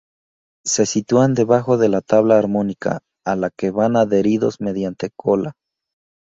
Se sitúan debajo de la tabla armónica, a la que van adheridos mediante cola.